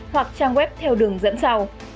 hoặc trang web theo đường dẫn sau